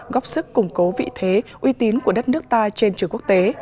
góp sức củng cố vị thế uy tín của đất nước ta trên trường quốc tế